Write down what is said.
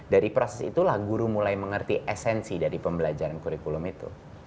dari proses itulah guru mulai mengerti esensi dari pembelajaran kurikulum itu